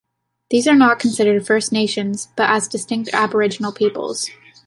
These are not considered First Nations, but as distinct aboriginal peoples.